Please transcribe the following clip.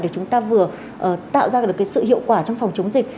để chúng ta vừa tạo ra được sự hiệu quả trong phòng chống dịch